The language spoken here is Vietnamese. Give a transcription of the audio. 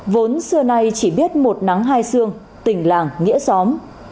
vốn xưa nay chỉ biết một nắng hai xương tình làng nghĩa xóm